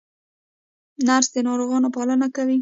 نرس د ناروغ پالنه کوي